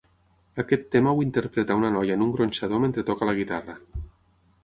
Aquest tema ho interpreta una noia en un gronxador mentre toca la guitarra.